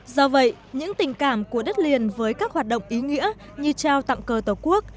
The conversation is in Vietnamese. do vậy những tình cảm của đất liền với các hoạt động ý nghĩa như trao tặng cờ tổ quốc